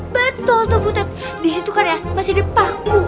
betul tuh butet di situ kan ya masih ada paku